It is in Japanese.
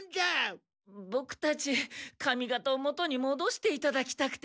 ボクたち髪型を元にもどしていただきたくて。